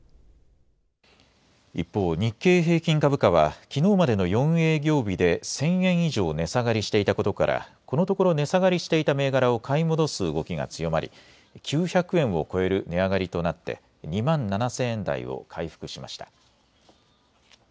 一方、日経平均株価はきのうまでの４営業日で１０００円以上値下がりしていたことから、このところ値下がりしていた銘柄を買い戻す動きが強まり、９００円を超える値上がりとなって２万７０００円台を回復しました。